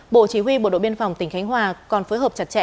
bộ chỉ huy bộ đội biên phòng tỉnh khánh hòa còn phối hợp chặt chẽ